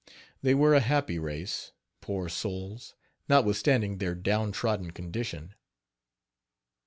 They were a happy race, poor souls! notwithstanding their downtrodden condition.